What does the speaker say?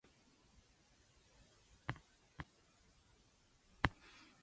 For example, once the rash of measles fades, there is desquamation.